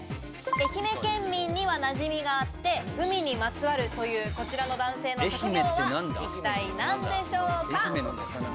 愛媛県民には、なじみがあって、海にまつわるというこちらの男性の職業は一体何でしょうか。